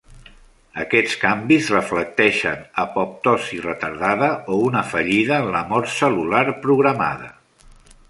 Aquests canvis reflecteixen apoptosi retardada o una fallida en la mort cel·lular programada.